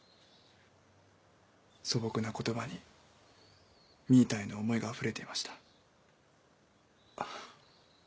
素朴な言葉にみぃたんへの思いがあふれていました。